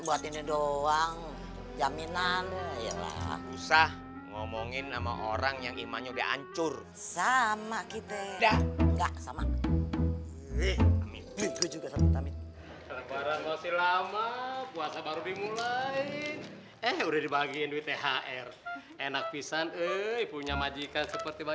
buat ini doang jaminan yelah usah ngomongin sama orang yang imannya udah ancur sama kita